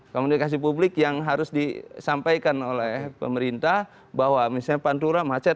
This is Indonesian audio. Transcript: komunikasi publik yang harus disampaikan oleh pemerintah bahwa misalnya pantura macet